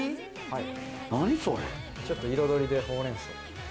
ちょっと彩りで、ほうれん草。